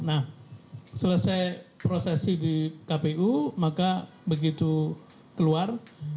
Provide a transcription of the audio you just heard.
nah selesai prosesi di kpu maka begitu keluar